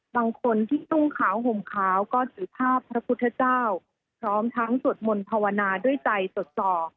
บางคนที่นุ่งขาวห่มขาวก็ถือภาพพระพุทธเจ้าพร้อมทั้งสวดมนต์ภาวนาด้วยใจจดส่อ